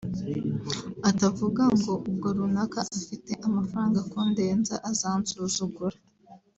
atavuga ngo ubwo runaka afite amafaranga kundenza azansuzugura